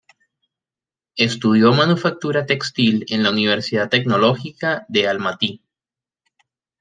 Estudió manufactura textil en la Universidad Tecnológica de Almatý.